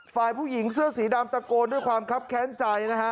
ฝ่ายผู้หญิงเสื้อสีดำตะโกนด้วยความคับแค้นใจนะฮะ